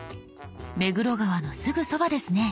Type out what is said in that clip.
目黒川のすぐそばですね。